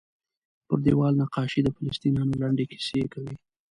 پر دیوال نقاشۍ د فلسطینیانو لنډې کیسې کوي.